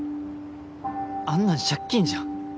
あんなん借金じゃん。